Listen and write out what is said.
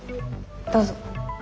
どうぞ。